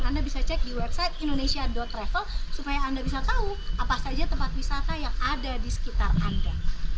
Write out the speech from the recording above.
anda bisa cek di website indonesia travel supaya anda bisa tahu apa saja tempat wisata yang ada di sekitar anda